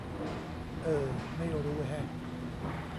เอ่อ ไม่รู้แฮะ